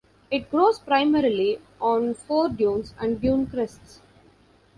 It grows primarily on foredunes and dune crests.